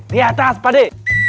di atas pade